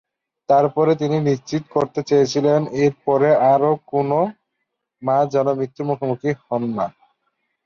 তারপরে তিনি নিশ্চিত করতে চেয়েছিলেন এর পরে আর কোনও মা যেন মৃত্যুর মুখোমুখি হন না।